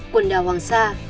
quần đảo hoàng sa